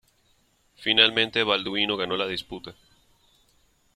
Finalmente Balduino ganó la disputa.